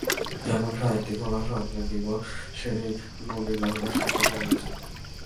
এখন সাহিত্যিক হওয়ার স্বপ্নে বিভোর সেই নবীন লেখকদের সংখ্যা কমে গেছে।